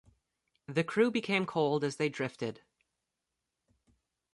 The crew became cold as they drifted.